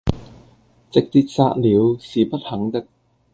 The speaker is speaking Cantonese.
直捷殺了，是不肯的，